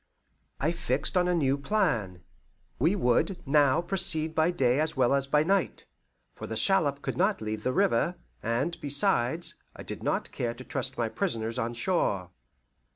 I fixed on a new plan. We would now proceed by day as well as by night, for the shallop could not leave the river, and, besides, I did not care to trust my prisoners on shore.